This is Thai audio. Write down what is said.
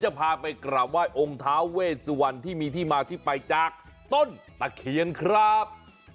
พาไปกราบไหว้องค์ท้าเวสวันที่มีที่มาที่ไปจากต้นตะเคียนครับ